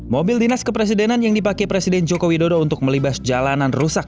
mobil dinas kepresidenan yang dipakai presiden joko widodo untuk melibas jalanan rusak